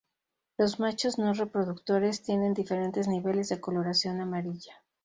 Los machos no reproductores tienen diferentes niveles de coloración amarilla.